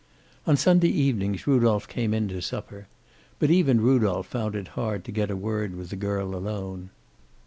On Sunday evenings Rudolph came in to supper. But even Rudolph found it hard to get a word with the girl alone.